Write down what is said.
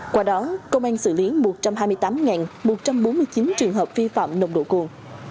qua đó công an xử lý một trăm hai mươi tám một trăm bốn mươi chín trường hợp vi phạm nồng độ cồn